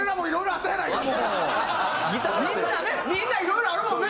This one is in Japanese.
みんなねみんないろいろあるもんね